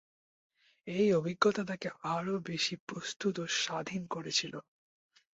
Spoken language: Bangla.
এই অভিজ্ঞতা তাকে আরও বেশি প্রস্তুত ও স্বাধীন করেছিল।